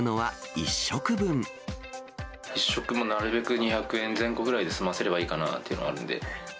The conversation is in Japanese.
１食もなるべく２００円前後ぐらいで済ませればいいかなというのがあるんで。